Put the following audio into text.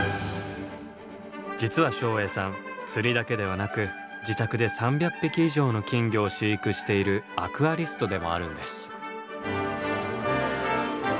実は照英さん釣りだけではなく自宅で３００匹以上の金魚を飼育しているアクアリストでもあるんです。